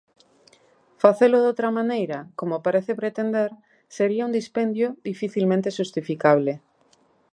Facelo doutra maneira, como parece pretender, sería un dispendio dificilmente xustificable.